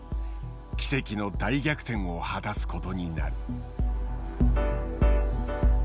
奇跡の大逆転を果たすことになる。